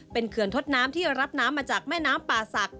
เป็นเขื่อนทดน้ำที่รับน้ำมาจากแม่น้ำป่าศักดิ